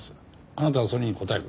あなたがそれに答える。